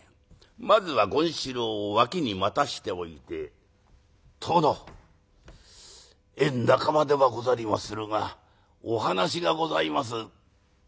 まずは権四郎を脇に待たしておいて「殿宴半ばではござりまするがお話がございます」。